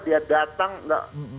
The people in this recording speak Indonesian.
dia datang enggak